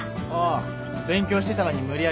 勉強してたのに無理やり呼ばれてな。